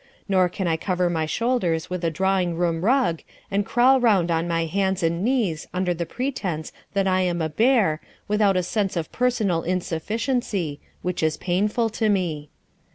Nor can I cover my shoulders with a drawing room rug and crawl round on my hands and knees under the pretence that I am a bear without a sense of personal insufficiency, which is painful to me.